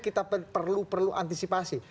kita perlu perlu antisipasi